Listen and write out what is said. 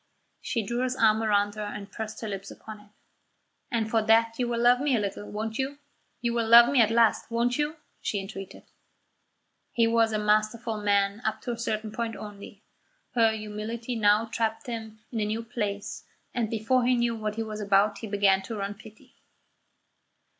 She drew his arm towards her and pressed her lips upon it. "And for that you will love me a little, won't you? You will love me at last, won't you?" she entreated. He was a masterful man up to a certain point only. Her humility now tapped him in a new place, and before he knew what he was about he began to run pity.